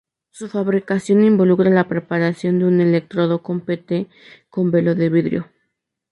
Su fabricación involucra la preparación de un electrodo de Pt con velo de vidrio.